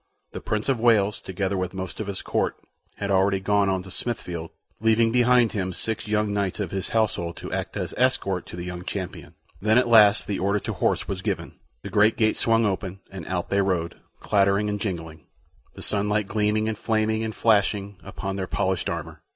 The Prince of Wales, together with most of his court, had already gone on to Smithfield, leaving behind him six young knights of his household to act as escort to the young champion. Then at last the order to horse was given; the great gate swung open, and out they rode, clattering and jingling, the sunlight gleaming and flaming and flashing upon their polished armor.